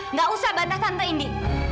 nggak usah bantah tante indi